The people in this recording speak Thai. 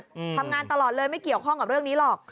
อืมทำงานตลอดเลยไม่เกี่ยวข้องกับเรื่องนี้หรอก